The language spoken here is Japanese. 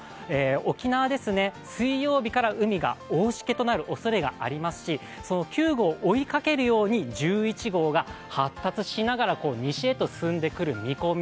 沖縄ですね、水曜日から海が大しけとなるおそれがありますし、９号を追いかけるように１１号が発達しながら西へと進んでくる見込み。